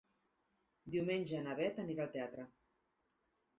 Diumenge na Bet anirà al teatre.